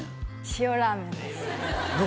塩ラーメンですだ